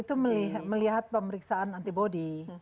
itu melihat pemeriksaan antibody